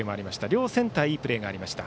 両センターにいいプレーがありました。